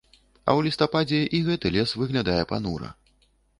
А ў лістападзе і гэты лес выглядае панура.